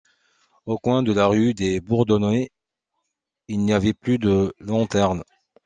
Au coin de la rue des Bourdonnais il n’y avait plus de lanternes.